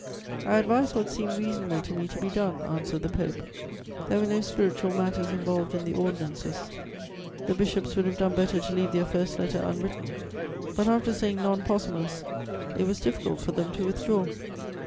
"'I advised what seemed reasonable to me to be done,' answered the Pope. 'There were no spiritual matters involved in the ordinances; the bishops would have done better to leave their first letter unwritten; but, after saying, "Non possutnus," it was difficult for them to withdraw.